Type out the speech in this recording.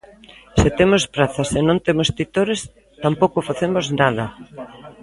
Se temos prazas e non temos titores, tampouco facemos nada.